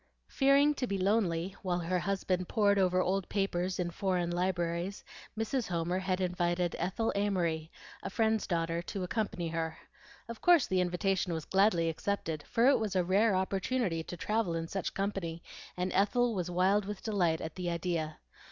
Fearing to be lonely while her husband pored over old papers in foreign libraries, Mrs. Homer had invited Ethel Amory, a friend's daughter, to accompany her. Of course the invitation was gladly accepted, for it was a rare opportunity to travel in such company, and Ethel was wild with delight at the idea.